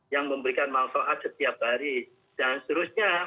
yang memberikan manfaat setiap hari dan seterusnya